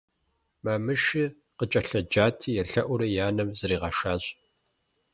Мамыши къыкӀэлъыджати, елъэӀури и анэм зригъэшащ.